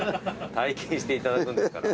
体験していただくんですから。